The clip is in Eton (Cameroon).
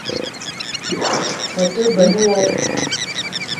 Me te benn wo